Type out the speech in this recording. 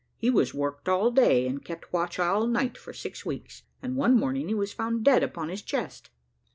He was worked all day, and kept watch all night for six weeks, and one morning he was found dead upon his chest."